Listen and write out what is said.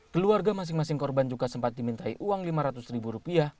keluarga masing masing korban juga sempat dimintai uang lima ratus ribu rupiah